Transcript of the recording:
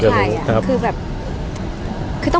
ภาษาสนิทยาลัยสุดท้าย